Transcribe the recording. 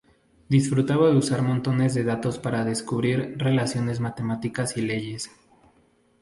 Disfrutaba de usar montones de datos para descubrir relaciones matemáticas y leyes.